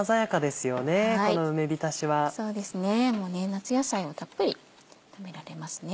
夏野菜をたっぷり食べられますね。